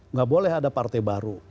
nggak boleh ada partai baru